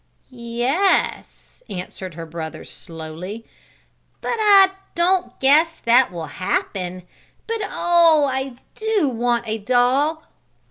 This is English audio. "Yes," answered her brother, slowly, "but I don't guess that will happen. But oh! I do want a dog!"